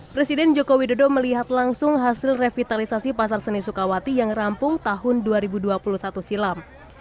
presiden joko widodo melihat langsung hasil revitalisasi pasar seni sukawati yang rampung tahun dua ribu dua puluh satu silam